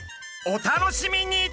お楽しみに！